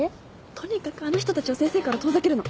とにかくあの人たちを先生から遠ざけるの。